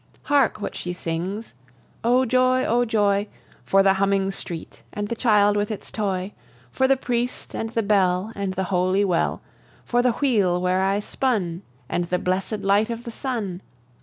Hark what she sings: "O joy, O joy, For the humming street, and the child with its toy! For the priest, and the bell, and the holy well; For the wheel where I spun, And the blessèd light of the sun!"